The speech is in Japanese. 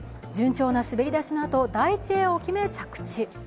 順調な滑り出しのあと第１エアを決め、着地。